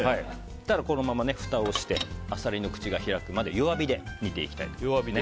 このままふたをしてアサリの口が開くまで弱火で煮ていきたいと思います。